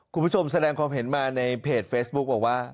คุณผู้ชมแสดงความเห็นมาในเพจเฟซบุ๊คบอกว่า